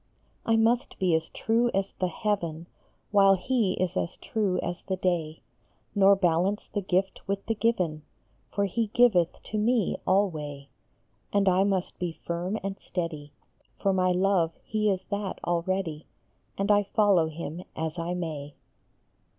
I must be as true as the Heaven While he is as true as the day, Nor balance the gift with the given, For he giveth to me alway. And I must be firm and steady ; For my Love, he is that already, And I follow him as I may.